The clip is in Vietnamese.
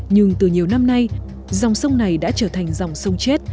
nhưng từ nhiều năm nay dòng sông này đã trở thành dòng sông chết